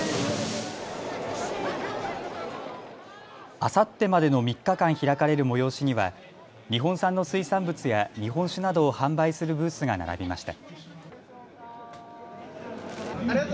あさってまでの３日間開かれる催しには日本産の水産物や日本酒などを販売するブースが並びました。